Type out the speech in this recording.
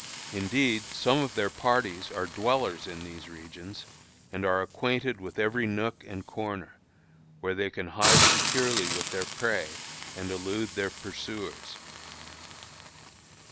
Indeed, some of their parties are dwellers in these regions, and are acquainted with every nook and corner, where they can hide securely with their prey and elude their pursuers.